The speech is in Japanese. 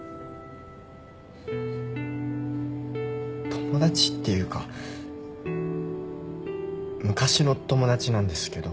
友達っていうか昔の友達なんですけど。